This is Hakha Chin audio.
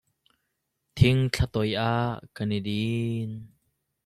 Thing thla toi ah kan i din.